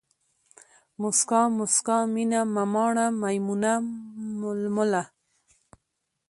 موسکا ، مُسکا، مينه ، مماڼه ، ميمونه ، ململه